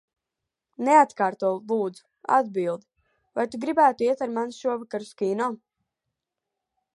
Neatkārto, lūdzu, atbildi. Vai tu gribētu iet ar mani šovakar uz kino?